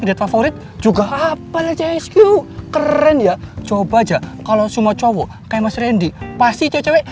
lihat favorit juga hafal csq keren ya coba aja kalau semua cowok kayak mas rendy pasti cewek